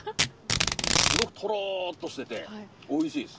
すごくトローッとしてておいしいです。